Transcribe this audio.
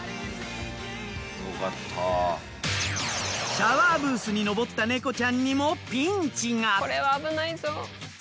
シャワーブースに登ったネコちゃんにもピンチが。